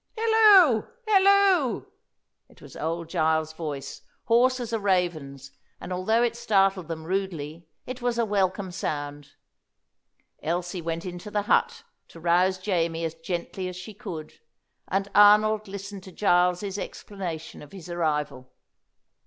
"Hilloo! Hilloo!" It was old Giles's voice, hoarse as a raven's; and although it startled them rudely, it was a welcome sound. Elsie went into the hut to rouse Jamie as gently as she could, and Arnold listened to Giles's explanation of his arrival.